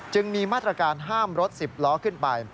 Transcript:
จึงมีมาตรการห้ามรถ๑๐ล้อขึ้นไป